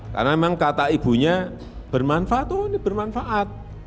karena memang kata ibunya bermanfaat tuh ini bermanfaat